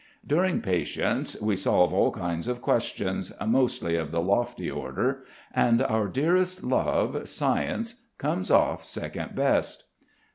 During patience we solve all kinds of questions, mostly of the lofty order, and our dearest love, science, comes off second best.